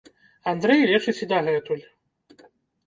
Андрэй лечыць і дагэтуль.